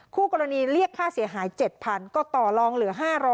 คู่กรณีเรียกค่าเสียหาย๗๐๐ก็ต่อลองเหลือ๕๐๐